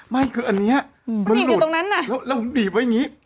ไม่คืออันนี้มันบีบอยู่ตรงนั้นน่ะแล้วผมบีบไว้อย่างนี้